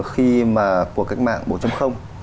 khi mà cuộc khách mạng một